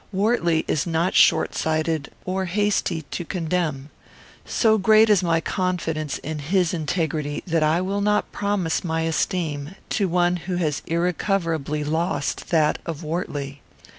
Wortley is not short sighted or hasty to condemn. So great is my confidence in his integrity that I will not promise my esteem to one who has irrecoverably lost that of Wortley.